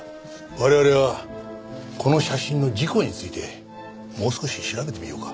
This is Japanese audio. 我々はこの写真の事故についてもう少し調べてみようか。